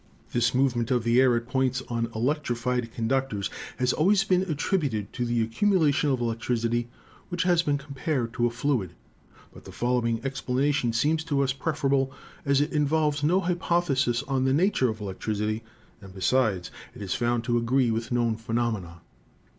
"This movement of the air at the points on electrified conductors has always been attributed to the accumulation of electricity, which has been compared to a fluid; but the following explanation seems to us preferable, as it in volves no hypothesis on the nature of electricity, and, be sides, it is found to agree with known phenomena.